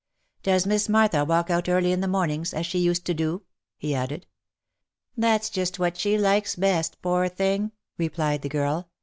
Does Miss Martha walk out early in the mornings, as she used to do V he added. " That's just what she likes best, poor thing," replied the girl.